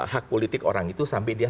hak politik orang itu sampai dia